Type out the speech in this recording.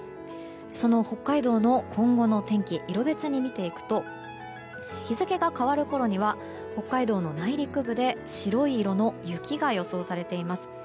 その北海道の今後の天気色別に見ていくと日付が変わるころには北海道の内陸部で白い色の雪が予想されています。